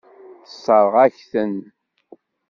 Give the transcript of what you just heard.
Tessṛeɣ-ak-ten.